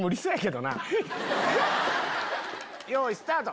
よいスタート！